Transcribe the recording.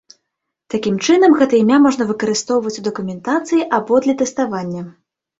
Такім чынам гэта імя можна выкарыстоўваць у дакументацыі або для тэставання.